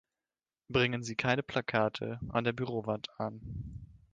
Bringen Sie keine Plakate an der Bürowand an.